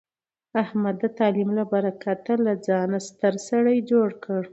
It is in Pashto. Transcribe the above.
احمد د تعلیم له برکته له ځانه ستر سړی جوړ کړ.